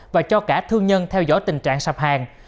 và cho cả thương nhân theo dõi tình trạng sạp hàng